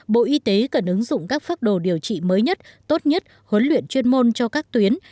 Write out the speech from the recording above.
bộ y tế cần ứng dụng các phác đồ điều trị mới nhất tốt nhất huấn luyện chuyên môn cho các tuyến